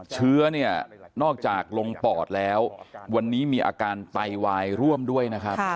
เชื้อเนี่ยนอกจากลงปอดแล้ววันนี้มีอาการไตวายร่วมด้วยนะครับ